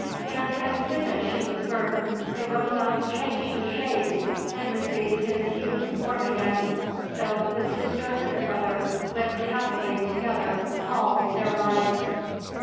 And as soon as she was burnt the roebuck changed his shape, and received his human form again, so the sister and brother lived happily together all their lives.